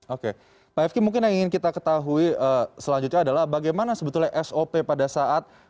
oke pak fk mungkin yang ingin kita ketahui selanjutnya adalah bagaimana sebetulnya sop pada saat